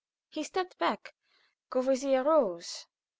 He stepped back. Courvoisier rose.